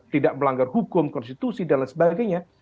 tidak melanggar hukum konstitusi dan lain sebagainya